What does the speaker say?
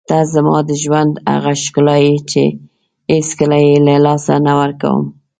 ته زما د ژوند هغه ښکلا یې چې هېڅکله یې له لاسه نه ورکوم.